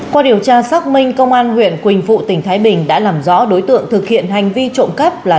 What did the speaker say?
qua điều tra xác minh công an huyện quỳnh phụ tỉnh thái bình đã làm rõ đối tượng thực hiện hành vi trộm cắp là